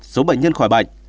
một số bệnh nhân khỏi bệnh